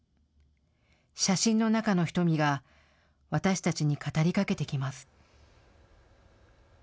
写真の中の瞳が私たちに語りかけてきます。